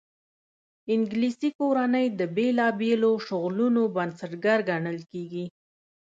انګلیسي کورنۍ د بېلابېلو شغلونو بنسټګر ګڼل کېږي.